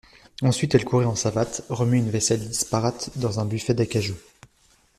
Ensuite elle courait en savates, remuer une vaisselle disparate dans un buffet d'acajou.